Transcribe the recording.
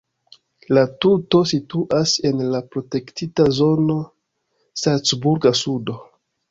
La tuto situas en la protektita zono "Salcburga sudo".